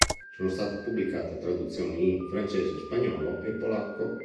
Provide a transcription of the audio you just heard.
Sono state pubblicate traduzioni in francese, spagnolo e polacco.